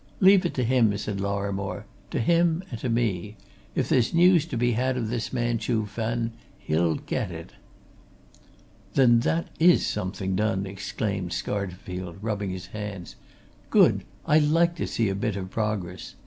"Leave it to him," said Lorrimore. "To him and to me. If there's news to be had of this man Chuh Fen, he'll get it." "Then that is something done!" exclaimed Scarterfield, rubbing his hands. "Good! I like to see even a bit of progress.